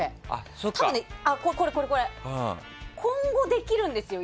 多分、今後できるんですよ